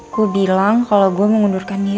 gue bilang kalo gue mau undurkan dia